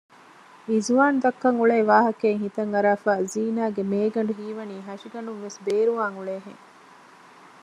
އިޒުވާނު ދައްކަން އުޅޭ ވާހަކައެއް ހިތަން އަރާފައި ޒީނާގެ މޭގަނޑު ހީވަނީ ހަށިގަނޑުންވެސް ބޭރުވާން އުޅޭހެން